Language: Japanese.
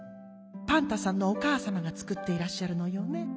パンタさんのおかあさまがつくっていらっしゃるのよね？